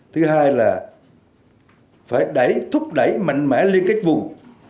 thứ hai là phải thúc đẩy mạnh mẽ liên kết vùng